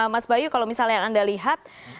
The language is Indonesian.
mas bayu kalau misalnya yang anda lihat